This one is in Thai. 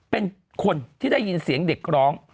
เป็นคนที่ได้ยินเสียงเด็กร้อง